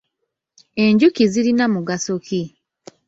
Enjuki zirina mugaso ki?